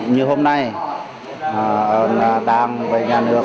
như hôm nay đảng và nhà nước